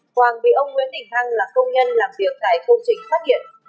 hoàng bị ông nguyễn đình thăng là công nhân làm việc tại công trình phát hiện